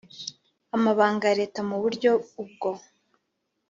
Amabanga ya leta mu buryo ubwo